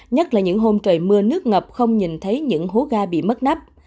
nhất là những hôm trời mưa nước ngập không nhìn thấy những hố ga bị mất nắp